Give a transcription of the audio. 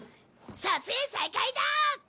撮影再開だ！